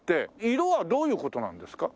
色はどういう事なんですか？